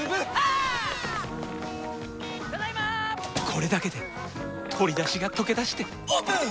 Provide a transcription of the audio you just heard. これだけで鶏だしがとけだしてオープン！